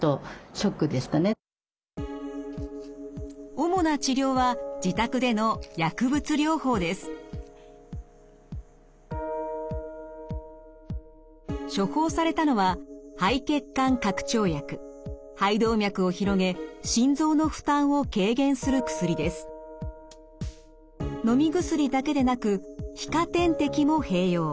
主な治療は自宅での処方されたのは肺動脈を広げ心臓の負担を軽減する薬です。のみ薬だけでなく皮下点滴も併用。